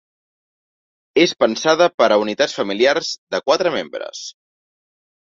És pensada per a unitats familiars de quatre membres.